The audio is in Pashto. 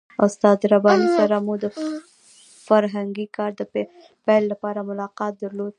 استاد رباني سره مو د فرهنګي کار د پیل لپاره ملاقات درلود.